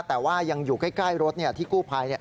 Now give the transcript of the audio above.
แต่ว่ายังอยู่ใกล้รถที่กู้ภัย